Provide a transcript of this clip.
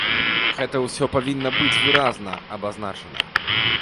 Гэта ўсё павінна быць выразна абазначана.